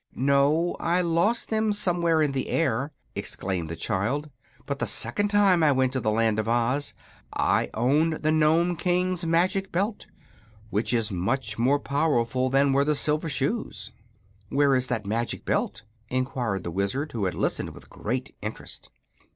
"No; I lost them somewhere in the air," explained the child. "But the second time I went to the Land of Oz I owned the Nome King's Magic Belt, which is much more powerful than were the Silver Shoes." "Where is that Magic Belt?" enquired the Wizard, who had listened with great interest.